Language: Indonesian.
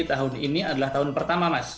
tahun ini adalah tahun pertama mas